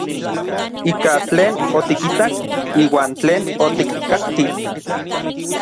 Ika tlen otikitak iuan tlen otikkakki.